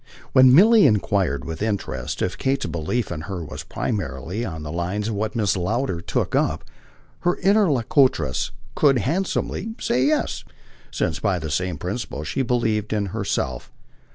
When Milly enquired with interest if Kate's belief in HER was primarily on the lines of what Mrs. Lowder "took up," her interlocutress could handsomely say yes, since by the same principle she believed in herself.